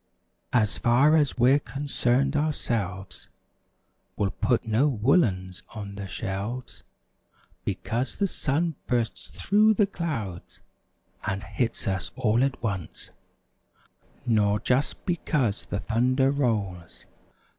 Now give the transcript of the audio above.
As far as we're concerned ourselves. We'll put no woolens on the shelves. Because the sun bursts through the clouds And hits us all at once; Nor just because the thunder rolls.